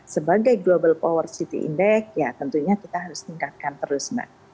sebagai global power city index ya tentunya kita harus tingkatkan terus mbak